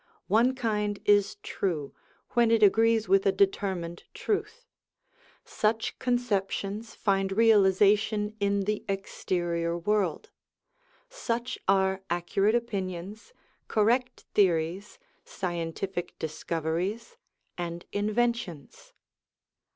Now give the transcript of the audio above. One kind is true, when it agrees with a deter mined truth. Such conceptions find realisation in the exterior world; such are accurate opinions, correct theories, scientific discoveries, and inventions.